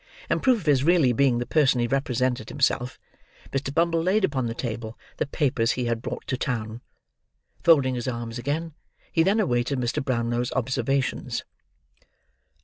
In proof of his really being the person he represented himself, Mr. Bumble laid upon the table the papers he had brought to town. Folding his arms again, he then awaited Mr. Brownlow's observations.